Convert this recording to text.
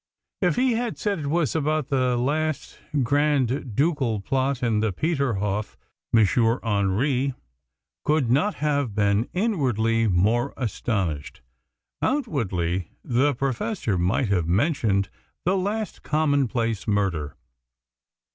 If he had said it was about the last Grand Ducal plot in the Peterhof, M. Hendry could not have been inwardly more astonished. Outwardly the Professor might have mentioned the last commonplace murder.